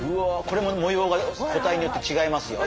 これも模様が個体によって違いますよ